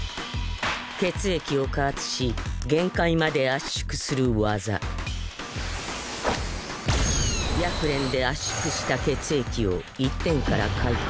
血液を加圧し限界まで圧縮する技「百斂」で圧縮した血液を一点から解放。